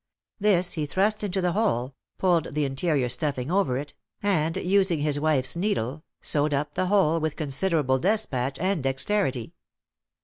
This he thrust into the hole, pulled the interior stuffing over it, and using his wife's needle, sewed up the hole with considerable despatch and dexterity.